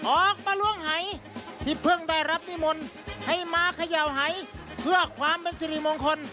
ออกมาล้วงหายที่เพิ่งได้รับนิมนต์ให้มาเขย่าหายเพื่อความเป็นสิริมงคล